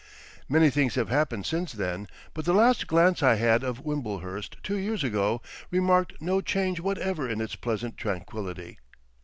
Many things have happened since then, but the last glance I had of Wimblehurst two years ago remarked no change whatever in its pleasant tranquillity.